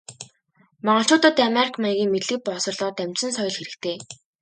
Монголчуудад америк маягийн мэдлэг боловсролоор дамжсан соёл хэрэгтэй.